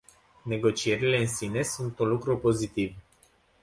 Negocierile în sine sunt un lucru pozitiv.